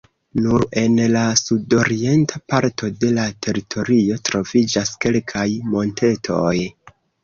Nur en la sudorienta parto de la teritorio troviĝas kelkaj montetoj.